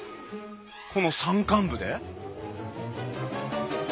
この山間部で？